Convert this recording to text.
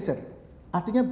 punya tracer artinya